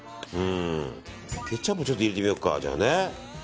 ケチャップちょっと入れてみようか。